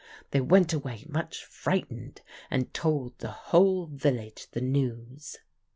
They went away much frightened, and told the whole village the news.